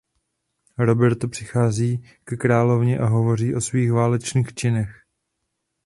Roberto přichází ke královně a hovoří o svých válečných činech.